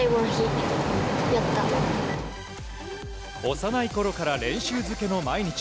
幼いころから練習漬けの毎日。